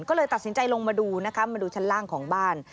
ก็เลยตัดสินใจลงมาดูนะคะมาดูชั้นล่างของบ้าน